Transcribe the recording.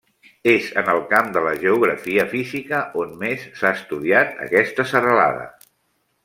És en el camp de la geografia física on més s'ha estudiat aquesta serralada.